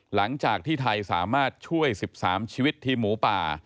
หลังจากที่ไทยสามารถช่วย๑๓ชีวิตทีมหมูป่า